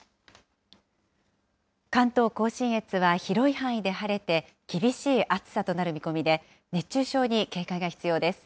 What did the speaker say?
関東甲信越は広い範囲で晴れて、厳しい暑さとなる見込みで、熱中症に警戒が必要です。